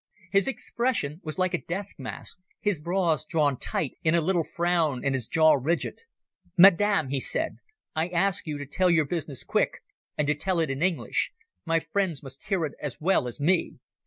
His expression was like a death mask, his brows drawn tight in a little frown and his jaw rigid. "Madam," he said, "I ask you to tell your business quick and to tell it in English. My friends must hear it as well as me."